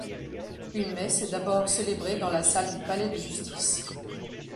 Une messe est d'abord célébrée dans la salle du palais de justice.